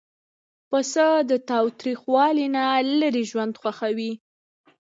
پسه د تاوتریخوالي نه لیرې ژوند خوښوي.